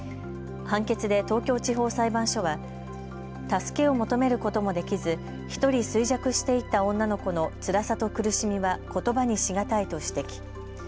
判決で東京地方裁判所は助けを求めることもできず、ひとり衰弱していった女の子のつらさと苦しみはことばにし難いと指摘。